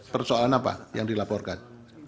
persoalan apa yang dilaporkan